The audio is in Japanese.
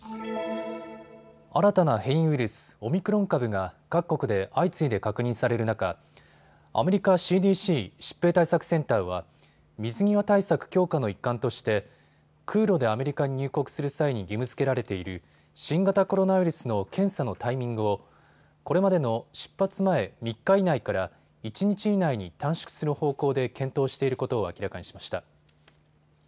新たな変異ウイルス、オミクロン株が各国で相次いで確認される中、アメリカＣＤＣ・疾病対策センターは水際対策強化の一環として空路でアメリカに入国する際に義務づけられている新型コロナウイルスの検査のタイミングをこれまでの出発前３日以内から１日以内に短縮する方向で検討していることを明らかにしました。